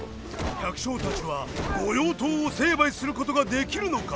百姓たちは御用盗を成敗することができるのか？